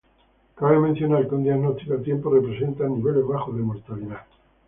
Cabe mencionar que un diagnóstico a tiempo representa niveles bajos de mortalidad.